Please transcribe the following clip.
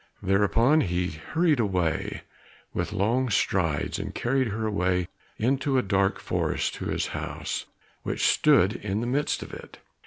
Thereupon he hurried away with long strides, and carried her away into a dark forest to his house, which stood in the midst of it.